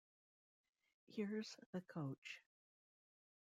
Here’s the coach.